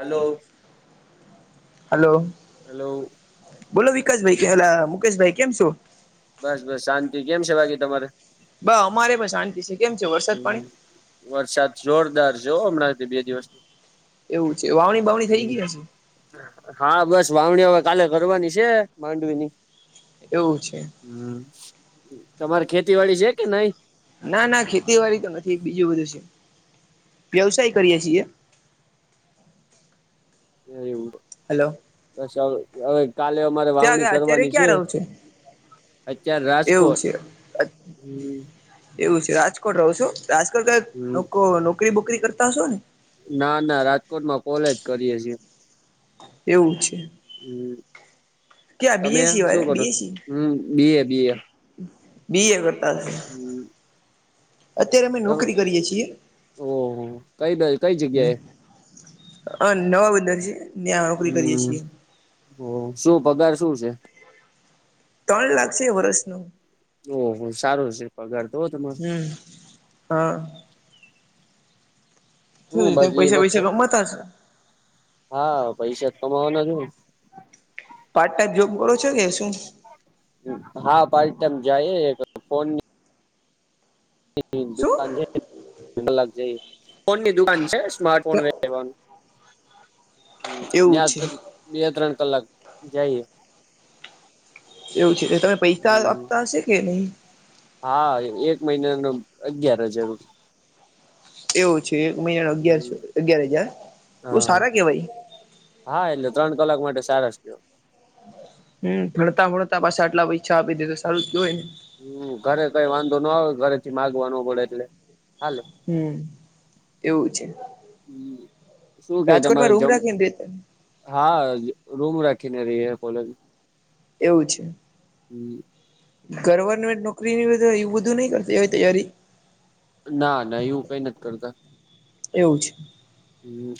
Hello hello. Hello. બોલો વિકાસભાઈ કેલા મુકેશભાઈ કેમ છો? બસ બસ શાંતિ કેમ છે બાકી તમારે બ અમારે પણ શાંતિ છે. કેમ છે વરસાદ પાણી હમ વરસાદ જોરદાર જોવ હમણાં બે દિવસ એવું. છે વાવણી બાવણી થઈ ગઈ હશે હ હા બસ વાવણીયા વ કાલે કરવાની છે માંડવીની એવું છે હમ તમારે ખેતી વાડી છે કે નહી ના ના ખેતીવાડી તો નથી બીજું બધું છે વ્યવસાય કરીય છીએ હ એ એવું બછ હવે કાલે અમારે ત્યાં વાવણી અત્યારે કરવાની છે ક્યાં રહો છો અત્યાર એવું રાજકોટ છે હમ એવું રાજકોટ રહો છો રાજકોટ હમ ક નોકરી બોકરી કરતા હશો ને ના ના રાજકોટમાં કોલેજ કરીએ છીએ એવું છે હમ ક્યા તમે બીએસી શું વાળ કરો બીએસી હમ બી એ બી એ બી એ કરતાશે હમ અત્યારે અમે નોકરી કરીએ છીએ ઓહો કઈ કઈ હ જગ્યાએ હ નવા બધા છે ને નોકરી કરીએ હમ છીએ ઓ શું પગાર શું છે પણ લાગશે વર્ષનું ઓહ સારો છે પગાર તો હો તમારો હમ હા શું તમે બાકી પૈસા પૈસા એમાં કમાતા હશો હા પૈસા હ ભાવના જો પાર્ટ ટાઈમ જોબ કરો છો કે શું હા પાર્ટ ટાઈમ જઈ એક ફોન શું દુકાન છેલ છે કોની દુકાન છે સ્માર્ટ ફોનવાનું એવું ્યાં છે બે ત્રણ કલાક જઈએ એવું છે તમે પૈસા આપતા હશે કે નહી હા એક મહિના ન અગયાર હજાર એવું છે એક મહિના ન અગયારસો અગિયાર હજાર બહ હા સારા કેવાય હા એટલે ત્રણ કલાક માટે સારા થયો હમ ભણતા ભણતા પાછા આટલા ઈછા આપી દે તો સારું જ જોય ને હમ ઘરે કઈ વાંધો ના હો ઘરે થી માગવાનો પડે એટલે હાલે હમ એવું છે શું કે રાજકોટમાં તમારે રૂમ રાખીને રેતા હા રૂમ રાખીને રહીએ કોલેજ એવું છે ગવમેન્ટ નોકરીની બધ એવું બું નહી કરતી એ તૈયારી ના ના એવું કઈ નથી કરતા એવું છે હમ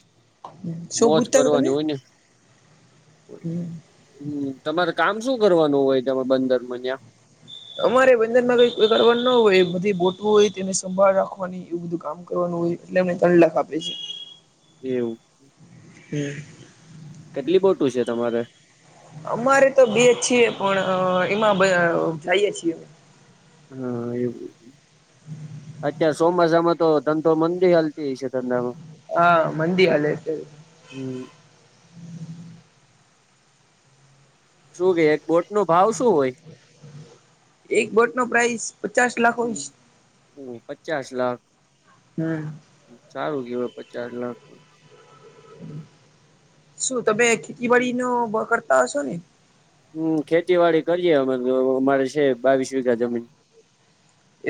શું મોજ પૂછતા હતા તમે કરવાની હોય ને હમ હમ તમારે કામ શું કરવાનું હોય ત બંદરમાં ત્યા અમારે બંદન માં કઈ કોઈ કરવા ના હોય બધી બોટું હોય તેને સંભાળ રાખવાની એવું બધું કામ કરવાનું એટલે એમને ત્રણ લખ આપે છે એવું હમ કેટલી બોટું છે તમારે અમારે તો બે છીએ પણ એમાં જઈએ છીએ અમે હા એ અતા સોમ મજામાં તો ધંધો મંદી હાલતી છે ધંધામાં હા મંદી હલે છે હમ જો કે એક બોટ નો ભાવ શું હોય એક બોટ નો પ્રાઇસ પચાસ લાખ હમ હોય. હમ પચાસ લાખ સારું કેવાય પચાસ લાખ શું તમે ખેતીબડીનો કરતા હશો ને હમ ખેતીવાડી કરીએે અ અમારે છે બાવીસ વીઘા જમીન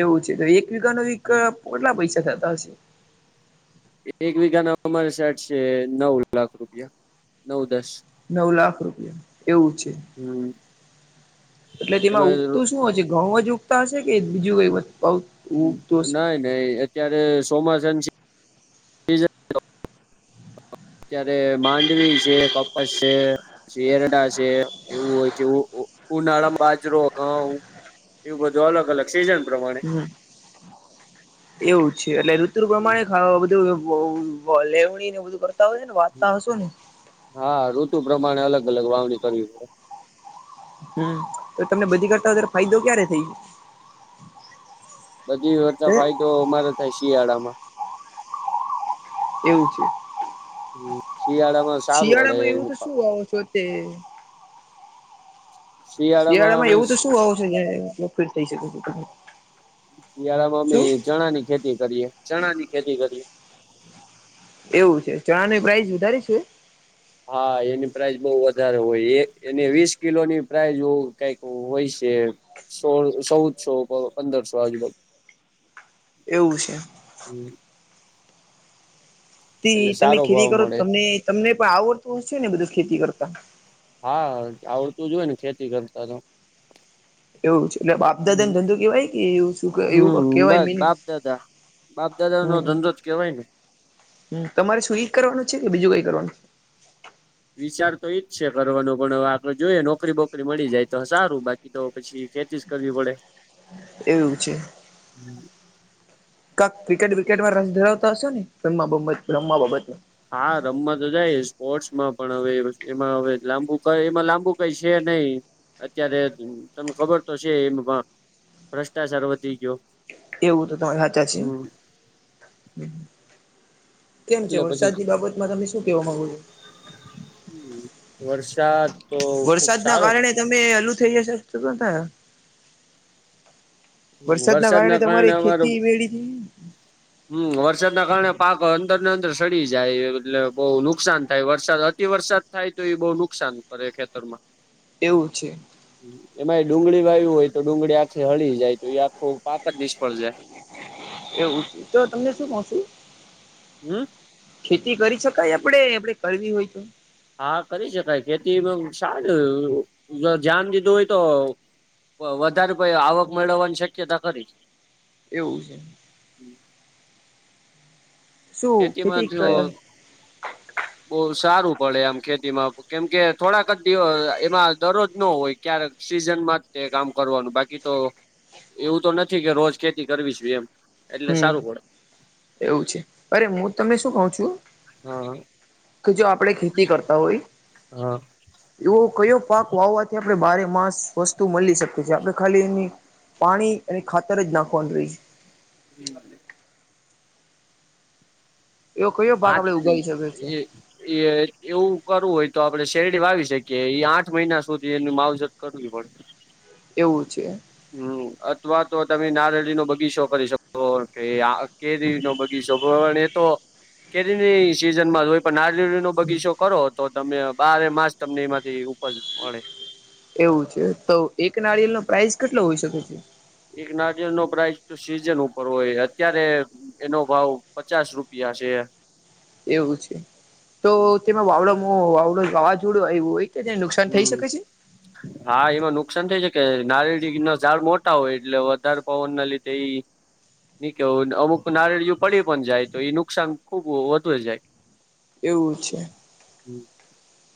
એવું છે તો એક વઘા ન વ કેટલા પૈસા થતા હશે એક વીઘા ના અમારે સાઠ છે નવ લાખ રૂપિયા નવ દસ નવ લાખ રૂપિયા એવું છે હમ એટલે તેમાં એમાં ઉગતું શું હશે ઘઉ જ ઉગતા હશે કે બીજું ક નાઈ નહી અત્યારે સોમાસન અત્યારે માંડવી છે કપાસ છે શરડા છે એવું હોય છે ઉનાળા બાજરો ઘઉ એવું બધું અલગ અલગ સિઝન પ્રમાણે હમ એવું છે એટલે ઋતુ પ્રમાણે ખા બધું બ ભલે હણી ને બધ કર હા ઋતુ પ્રમાણે અલગ અલગ વાવણી કરવી પડે હમ તો તમને બધી કરતા વધારે ફાયદો ક્યારે થઈ ગ બધી વતા ફાયદો અમારો થાય શિયાળામાં એવું છે શિયાળામાં સારું પડે શિયાળામાં એવું તો શું હોો છો તે શિયાળામાં શિયાળા માં અમે એવું તો શું હો છે જ ફીટ થઈ શકે છે શળામાં અમે શું ચણા ની ખેતી કરીએ ચણા ની ખેતી કરીએ એવું છે ચણાની પ્રાઇસ વધારે છે હા એની પ્રઇઝ બહ વસ્તી વધારે હોય એ એને વીસ કિલોની પ્રાઈઝ કઈક હોય છે સોળ સૌ છો પંદરસો આજુ ભ એવું છે તે એટલે તમે સારો ખેતી ભાવ કરો મળે તમને તમને પણ આવડતું હશે ને બધું ખેતી કરતા હા આવડતું જોય ને ખેતી કરતા તો એવું છે એટલે આપપ દાદાને ધંધો કેવાય કે એવું શું એવું હમ કેવાય બસ મિનિ બાપ દાદા બાપ દાદા નો હમ ધંધો જ કેવાય ને હમ તમારે શું એક કરવાનું છે કે બીજું કઈ કરવાનું છે વિચાર તો એઈજ છે કરવાનો પણ આગળ જોઈએ નોકરી બોકરી મળી જાય તો સારું બાકી તો પછી જે ચીજ કરવી પડે એવું છે કા ક્રિકેટ વ્રિકેટમાં રસ ધરાવતા હશે ને રમ બાત રમવા બાબત હા રમવા તો જાય સ્પોર્ટ્સમાં પણ હવે એમાં હવે લાંબુ ક એમાં લાંબુ કઈ છે નહીિ અત્યારે તમને ખબર તો છે એમ પણ ભ્રષ્ટાચાર વધી ગયો એવું તો તમારી સાચા છેી હમ કેમ છે એટલે પછી વરસાદી બાબતમાં તમે શું કેવા માંગુ છો વર્ષાત વરસાદ ના કારણે તમે અલું થઈ જશે થાય વરસાદ ના કારણે અમાર વેડી થઈ હમ વરસાદના કારણે પાક અંદર ને અંદર સડી જાય એટલે બહુ નુકસાન થાય વરસાદ અતિ વરસાદ થાય તો એ બહુ નુકસાન નકાન કરે ખેતર માં એવું છે એમાં એ ડુંગળી વાય્યું હોય તો ડુંગળી આખે હળી જાય તો એ આખો પાક જ નિષ્ફળ જાય એવું તો તમને શું હમ કહચું કરી શકાય આપણે આપે કરવી હોય તો હા કરી શકાય ખેતીમાં શ ધ્યાન દીધું હોય તો વધારે પ આવક મેળવવાની શક્યતા ખરી એવું છે શું ખેતીમાં ખેતી ક જો બહ સારું પડે આમ ખેતીમાં કેમ કે થોડાક જ દિવસ એમાં દરરોજ ન હોય ક્યારે સીઝનમાં તે કામ કરવાનું બાકી તો એવું તો નથી કે રોજ ખેતી કરવી છે એમ એટલે હમ સારું પડે એવું છે અરે હું તમને શું કઉ છું હા કે જો આપણે ખેતી કરતા હોય હા તો કયો પાક વાવવાથી આપણે બારે માસ વસ્તુ મળી શકીએ છેએ આપડણે ખાલી એની પાણી અને ખાતર જ નાખવાનું રહી એ વા એવો કયો પાક પાંચ આપણે ઉગાડી શકીએ મિનિટ છે એ એ એવું કરવું હોય તો આપણે શેલડી વાવી શકી એ આઠ મહિના સુધી એની માવજત કરવી પડે એવું છે હમ અથવા તો તમે નારળી નો બગી શો શ કે આ કેરી નો બગી શો એ તો કેરીની સીઝન માં જોય પણ ના રી નો બગીચો કરો તો તમે બારે માસ તમને એમાંથી ઉપજ મળે એવું છે તો એક નારિયેલ નો પ્રાઇસ કેટલો હોઈ શકે છે એક નાિયલ નો પ્રાાઈસ તો સીઝન ઉપર હોય અત્યારે એનો ભાવ પચાસ રૂપિયા પા છે એવું છે તો તેમાં વાવડો મો વાવડો વાવાઝોડો આવવું હોય તો તેને નુકસાન થઈ હમ શકે છે હા એમાં નુકસાન થાય છે કે નારળી ના ાડ મોટા હોય એટલે વધારે પવન ના લીધે એ નઈ કે અમુક નારળિય પડી પણ જાય તો એ નુકસાન ખુબ વધુ જાય એવું છે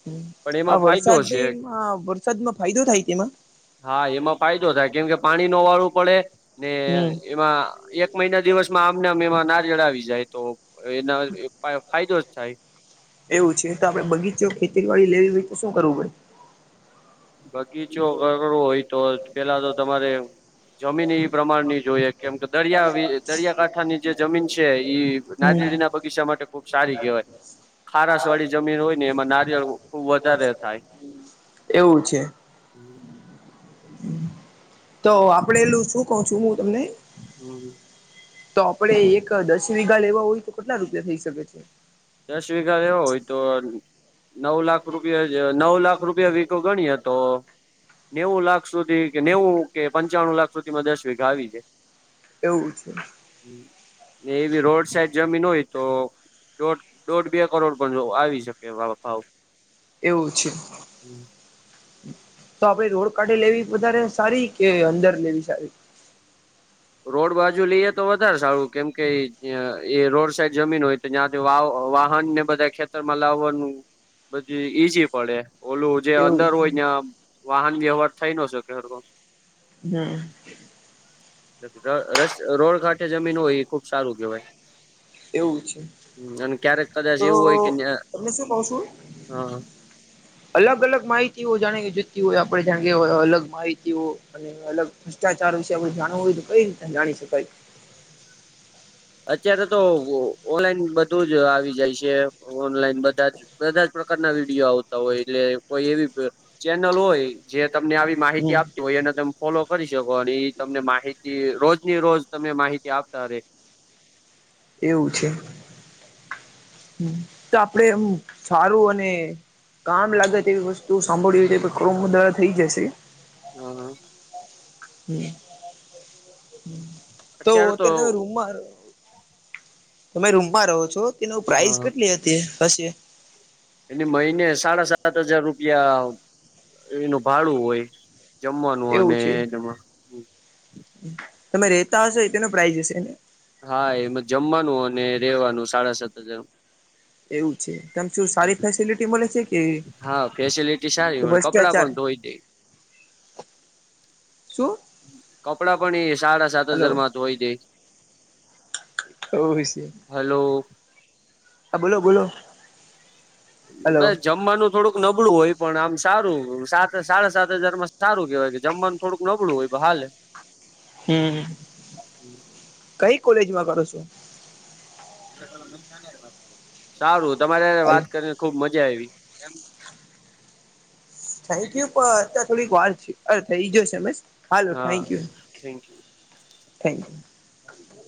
હમ પણ એમાં ફાયદો છે ફાયદો થાય તેમાં હા એમાં ફાયદો થાય કેમકે પાણી ન વાળવું પડે ને હમ એમાં એક મહિના દિવસ મને અમે એમાં નારયળાવી જાય તો એના ફાયદો જ થાય એવું છે તો આપડે બગીચો ખેતી વાડી લેવી હોય તો શું કરવું પે બગીચો કરવો હોય તો પેલા તો તમારે જમીન પ્રમાણની જોઈએ કેમ કે દરિયા દરિયાકાંઠાની જે જમીન છે પડે હમ નાદડી ના બગીચામાં માટે ખુબ સારી કહેવાય ખારાસ વાળી જમીન હોય ને એમાં નારિયળ ખુબ વધારે થાય એવું છે હમ તો આપડે એલું શું ક છું હું તમને હમ તો આપડે એક દસ વીઘા લેવા હોય તો કેટલા રૂપિયા થઈ શકે છે દસ વીઘા લેવો હોય તો નવ લાખ રૂપિયા જ નવ લાખ રૂપિયા વીકો ગણી હતો નેવું લાખ સુધી કે નેવું કે પંચાણું લાખ સુધીમાં દસ વીઘા આવી જાય એવું છે એવી રોડ સાઈડ જમીન હોય તો દોઢ દોઢ બે કરોડ પણ જો આવી શકે ભાવ એવું છે તો આપડ રોડ કાઢી લેવી વધારે સારી કે અંદર લેવી સારી રોડ બાજુ લઈએ તો વધારે સારું કેમકે એ રોડ સાઈડ જમીન હોય તો જ્યાંથી વાવ વાહન ને બધા ખેતરમાં લાવવાનું બધું ઈઝી પડે ઓલું જે એવું અંદર હોય છે ત્યાં વાહન વ્યવહાર થઈ ન શ હા રોડ કાંઠે જમીન હોય એ ખુબ સારું કેવાય એવું છે અને ક્યારેક કદાચ તો એવું હોય કે્યા તમને શું કઉ છું હા અલગ અલગ માહિતીઓ જાણે કે હોય આપડે જાણ કે અલગ માહિતી અને અલગ ભ્રષ્ટાચાર વિશે આપે જાણવું હોય તો કઈ રીતે જાણી છે ભાઈ અત્યારે તો ઓનલાઈન બધું જ આવી જાય છે ઓનલાઈન બધા જ બધા જ પ્રકારના વિડીયો આવતા હોય એટલે કોઈ એવી ચેનલ હોય જે તમને આવી માહિતી હમ આપતી હોય અને તમે ફોલો કરી શકો અને એ તમને માહિતી રોજની રોજ તમે માહિતી આપતા રે એવું છે હ તો આપડેમ સારું અને કામ લાગે તેવી વસ્તુ સાંભળવી હો ખ દાળ થઈ જશે હમ તો અત્યારે તમે રૂમમાં તમે રૂમમાં રહો છો તેનું પ્રઇસ કેટલી હતી હશે એની મહિને સાડા સાત હજાર રૂપિયા એનું ભાડું હોય જમવાનું એવું અને છે જવા તમે રેતા હશો તેનો પ્રાઈઝ હશેને હા એમાં જમવાનું અને રેવાનું સાડા સાત હજાર એવું છે તમ શું સારી ફેસિલિટી મળે છે કે હા ફેસિલિટી સારી મળે કપડાં ભ્રષ્ટાચાર પણ ધોઈ દે શું કપડા પણ એ સાડા સાત હલો હજારમાં ધ હોય દે ઓશે હલો હા બોલો બોલો હલો બ જમવાનું થોડુંક નબળું હોય પણ આમ સારું સાત સાડા સાત હજાર માં સારું કેવાય કે જમવાનું થોડુંક નબળું હોય હાલે હમ કઈ કોલેજમાં કરો છો સારું તમારે હાલ વાત કરીને ખુબ મજા આવી એમ થેન્ક યુ પણ અત્યારે થોડીક વાર છે અ થઈ જો હાલો હા thank you thank you thank you